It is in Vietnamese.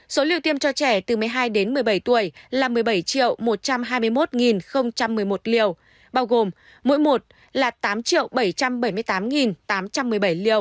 số liều tiêm cho trẻ từ một mươi hai đến một mươi bảy tuổi là một mươi bảy một trăm hai mươi một một mươi một liều bao gồm mỗi một là tám bảy trăm bảy mươi tám tám trăm một mươi bảy liều